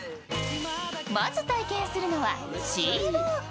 まず体験するのはシーウォーク。